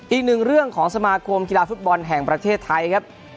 อีกหนึ่งเรื่องของสมาคมกีฬาฟุตบอลแห่งประเทศไทยครับ